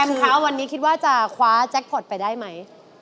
คะวันนี้คิดว่าจะคว้าแจ็คพอร์ตไปได้ไหม